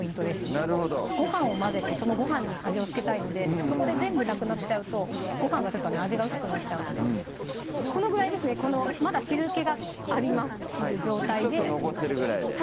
なるほどご飯を混ぜてそのご飯に味を付けたいのでそこで全部なくなっちゃうとご飯がちょっとね味が薄くなっちゃうのでこのぐらいですねまだ汁けがありますっていう状態でちょっと残ってるぐらいでは